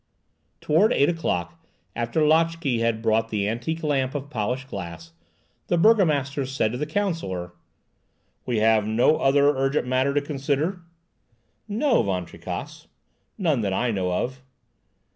Towards eight o'clock, after Lotchè had brought the antique lamp of polished glass, the burgomaster said to the counsellor,— "We have no other urgent matter to consider?" "No, Van Tricasse; none that I know of."